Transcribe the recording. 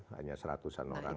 hanya seratusan orang